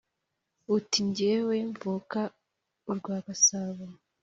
uti: jyewe mvuka u rwa gasabo